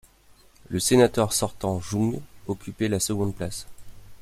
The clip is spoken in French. Le sénateur sortant Jung occupait la seconde place.